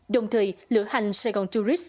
đồng thời lửa hành saigon tourist